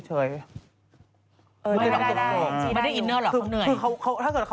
ถ้าแรก